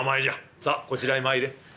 さあこちらへ参れ。